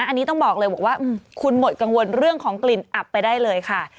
อันนี้ต้องบอกเลยบอกว่าคุณหมดกังวลเรื่องของกลิ่นอับไปได้เลยค่ะ